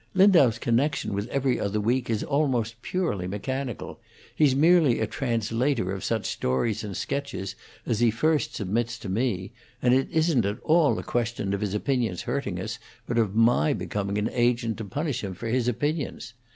Lindau's connection with 'Every Other Week' is almost purely mechanical; he's merely a translator of such stories and sketches as he first submits to me, and it isn't at all a question of his opinions hurting us, but of my becoming an agent to punish him for his opinions.